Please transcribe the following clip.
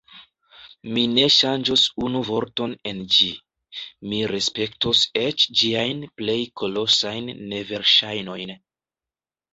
Mi ne ŝanĝos unu vorton en ĝi, mi respektos eĉ ĝiajn plej kolosajn neverŝajnojn.